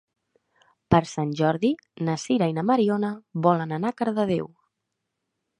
Per Sant Jordi na Sira i na Mariona volen anar a Cardedeu.